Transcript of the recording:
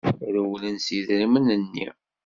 Rewlen s yidrimen-nni.